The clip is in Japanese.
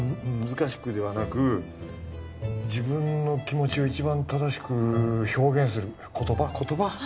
難しくではなく自分の気持ちを一番正しく表現する言葉言葉？